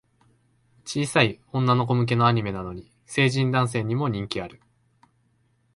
小さい女の子向けのアニメなのに、成人男性にも人気ある